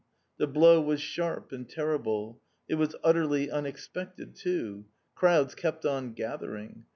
The blow was sharp and terrible; it was utterly unexpected too. Crowds kept on gathering.